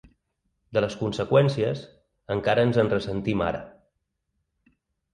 De les conseqüències, encara ens en ressentim ara.